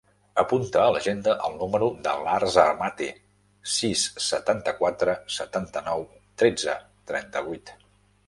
Apunta a l'agenda el número de l'Arç Amate: sis, setanta-quatre, setanta-nou, tretze, trenta-vuit.